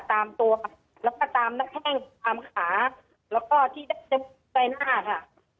ตามตัวค่ะแล้วก็ตามหน้าแข้งตามขาแล้วก็ที่เต็มใบหน้าค่ะ